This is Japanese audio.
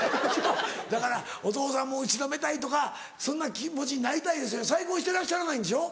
だからお父さんも「後ろめたい」とかそんな気持ちになりたいですよね再婚してらっしゃらないんでしょ。